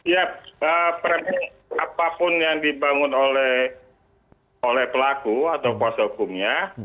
ya apapun yang dibangun oleh pelaku atau kuasa hukumnya